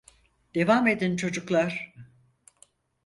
Devam edin çocuklar.